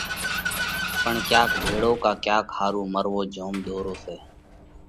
پڻ ڪياڪ ڀيۯو ڪا ڪياڪ ۿارُو مروو جوم ۮورو سئہ۔